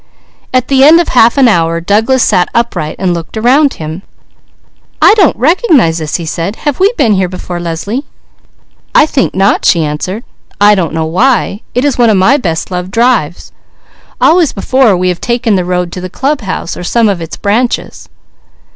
At the end of half an hour Douglas sat upright, looking around him. "I don't recognize this," he said. "Have we been here before, Leslie?" "I think not," she answered. "I don't know why. It is one of my best loved drives. Always before we have taken the road to the club house, or some of its branches."